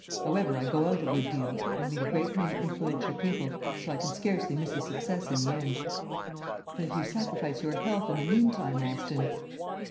However, I go out a good deal, and meet a great many influential people; so I can scarcely miss a success in the end." "But if you sacrifice your health in the meantime, Austin."